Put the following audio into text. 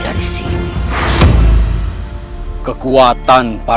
aku harus membantu dia